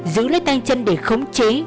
giữ lấy tay chân để khống chế